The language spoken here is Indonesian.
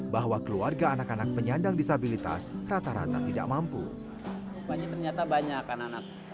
bahwa keluarga anak anak penyandang disabilitas rata rata tidak mampu banyak banyak anak anak